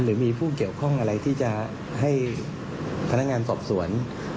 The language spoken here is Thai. หรือมีผู้เกี่ยวข้องอะไรที่จะให้พนักงานสอบสวน